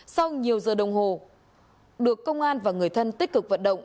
sau nhiều giờ đồng hồ được công an và người thân tích cực vận động